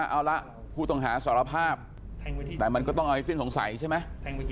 เอาละผู้ต้องหาสารภาพแต่มันก็ต้องเอาให้สิ้นสงสัยใช่ไหม